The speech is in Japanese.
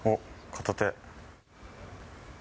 片手。